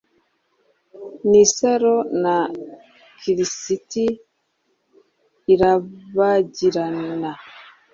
Nisaro na kirisiti irabagirana,